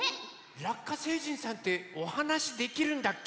ラッカ星人さんっておはなしできるんだっけ？